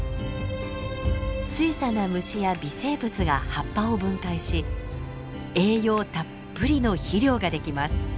小さな虫や微生物が葉っぱを分解し栄養たっぷりの肥料ができます。